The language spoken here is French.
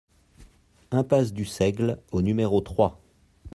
Impasse du Seigle au numéro trois